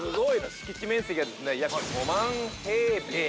◆敷地面積が、約５万平米。